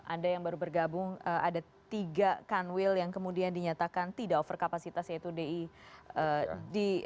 anda yang baru bergabung ada tiga kanwil yang kemudian dinyatakan tidak over kapasitas yaitu di